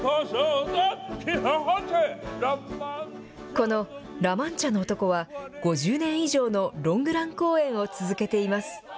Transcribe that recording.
このラ・マンチャの男は、５０年以上のロングラン公演を続けています。